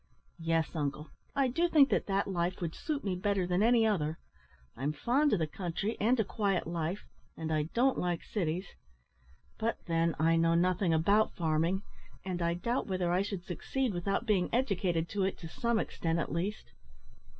"Yes, uncle. I do think that that life would suit me better than any other. I'm fond of the country and a quiet life, and I don't like cities; but, then, I know nothing about farming, and I doubt whether I should succeed without being educated to it to some extent at least."